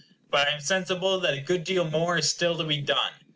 But I am sensible that a good deal more is still to be done.